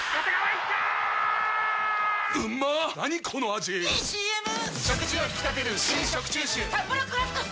⁉いいＣＭ！！